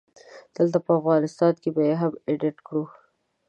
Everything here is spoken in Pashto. دلته په افغانستان کې به يې هم اډيټ کړو